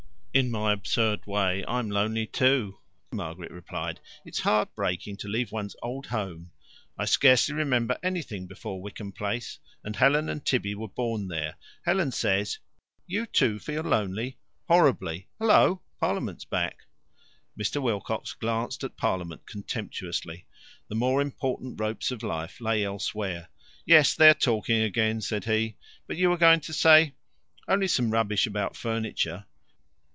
"In my absurd way, I'm lonely too," Margaret replied. "It's heart breaking to leave one's old home. I scarcely remember anything before Wickham Place, and Helen and Tibby were born there. Helen says " "You, too, feel lonely?" "Horribly. Hullo, Parliament's back!" Mr. Wilcox glanced at Parliament contemptuously. The more important ropes of life lay elsewhere. "Yes, they are talking again." said he. "But you were going to say " "Only some rubbish about furniture.